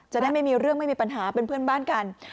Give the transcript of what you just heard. จะได้ไม่มีเรื่องไม่มีปัญหาเป็นเพื่อนบ้านกัน